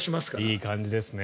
いい感じですね。